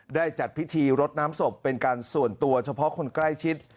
ได้จัดพิธีรดน้ำศพเป็นการส่วนตัวเฉพาะคนใกล้ชิด